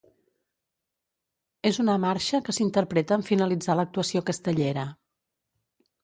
És una marxa que s'interpreta en finalitzar l'actuació castellera.